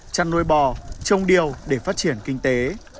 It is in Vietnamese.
chăn nuôi bò trông điều để phát triển kinh tế